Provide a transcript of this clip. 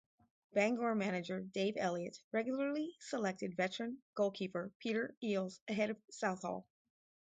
Bangor manager Dave Elliott regularly selected veteran goalkeeper Peter Eales ahead of Southall.